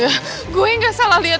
emang enggak salah lihat